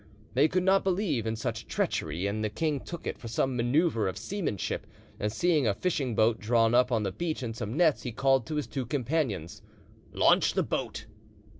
They could not believe in such treachery, and the king took it for some manoeuvre of seamanship, and seeing a fishing boat drawn up on the beach on some nets, he called to his two companions, "Launch that boat!"